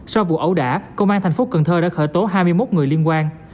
sau vụ ẩu đả công an thành phố cần thơ đã khởi tố hai mươi một người liên quan